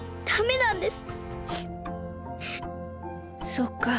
そっか。